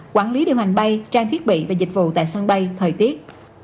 quản lý điều hành bay trang thiết bị và dịch vụ tại sân bay thời tiết